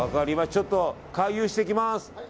ちょっと回遊してきます。